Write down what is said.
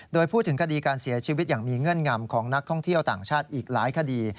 โดยพูดถึงคดีการเสียชีวิตอย่างมีเงื่อนงำของนักท่องเที่ยวต่างชาติอีกหลายคดี